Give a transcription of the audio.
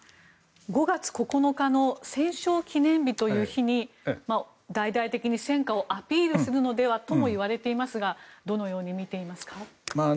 ５月９日の戦勝記念日という日に大々的に戦果をアピールするのではとも言われていますがどのように見ていますか？